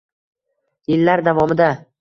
Yillar davomida